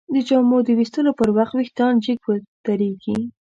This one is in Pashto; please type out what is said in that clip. د جامو د ویستلو پر وخت وېښتان جګ ودریږي.